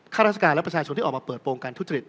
ข้าราชการและประชาชนที่ออกมาเปิดโปรงการทุจริต